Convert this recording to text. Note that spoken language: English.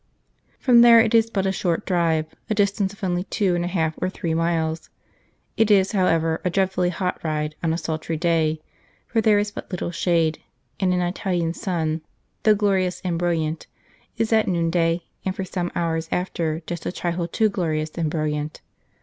From there it is but a short drive, a distance of only two and a half or three miles. It is, however, a dreadfully hot ride on a sultry day, for there is but little shade, and an Italian sun, though glorious and brilliant, is at noonday and for some hours after just a trifle too glorious and brilliant.